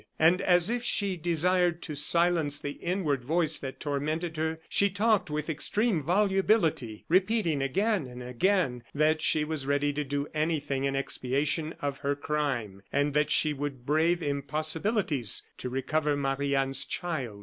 And as if she desired to silence the inward voice that tormented her, she talked with extreme volubility, repeating again and again that she was ready to do anything in expiation of her crime, and that she would brave impossibilities to recover Marie Anne's child.